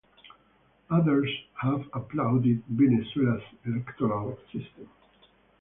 Others have applauded Venezuela's electoral system.